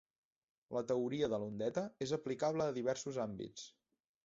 La teoria de l'ondeta és aplicable a diversos àmbits.